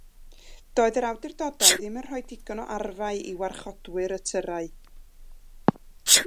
Doedd yr awdurdodau dim yn rhoi digon o arfau i warchodwyr y tyrau.